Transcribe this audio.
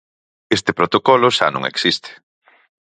Este protocolo xa non existe.